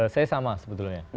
saya sama sebetulnya